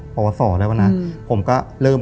ปวสอแล้วนะผมก็เริ่ม